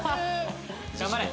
頑張れ！